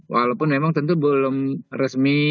walaupun memang tentu belum resmi